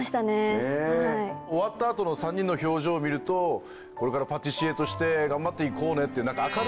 終わった後の３人の表情を見るとこれからパティシエとして頑張って行こうねって。